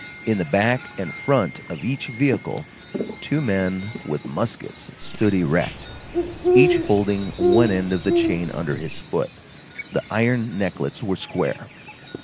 In the back and front of each vehicle, two men armed with muskets stood erect, each holding one end of the chain under his foot. The iron necklets were square.